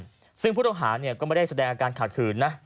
บ้านซึ่งพุทธอาหารเนี่ยก็ไม่ได้แสดงอาการขาดคืนนะ